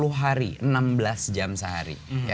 sepuluh hari enam belas jam sehari